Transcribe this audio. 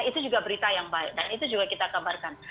itu juga berita yang baik dan itu juga kita kabarkan